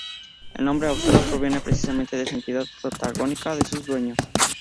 El nombre "Austral" proviene precisamente de esa identidad patagónica de sus dueños.